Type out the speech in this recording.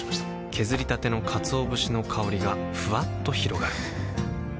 削りたてのかつお節の香りがふわっと広がるはぁ。